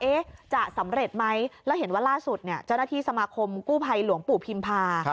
จะสำเร็จไหมแล้วเห็นว่าล่าสุดเนี่ยเจ้าหน้าที่สมาคมกู้ภัยหลวงปู่พิมพา